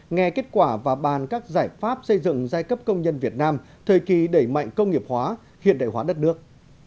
nghe kết quả và bàn các giải pháp xây dựng giai cấp công nhân việt nam thời kỳ đẩy mạnh công nghiệp hóa hiện đại hóa đất nước